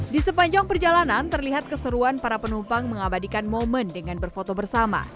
di sepanjang perjalanan terlihat keseruan para penumpang mengabadikan momen dengan berfoto bersama